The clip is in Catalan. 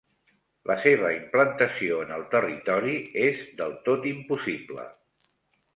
La seva implantació en el territori és del tot impossible.